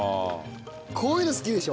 こういうの好きでしょ？